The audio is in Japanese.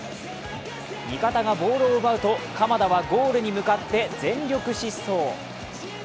見方がボールを奪うと鎌田はゴールに向かって全力疾走。